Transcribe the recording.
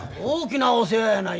大きなお世話や！